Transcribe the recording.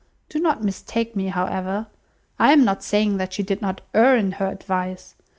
Do not mistake me, however. I am not saying that she did not err in her advice.